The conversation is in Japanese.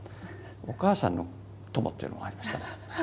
「お母さんの友」っていうのもありましたね。